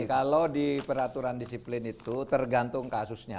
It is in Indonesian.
kalau di peraturan disiplin itu tergantung kasusnya